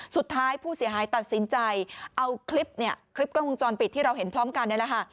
สุดท้ายผู้เสียหายตัดสินใจเอาคลิปเนี่ยคลิปกล้องวงจรปิดที่เราเห็นพร้อมกันนี่แหละค่ะ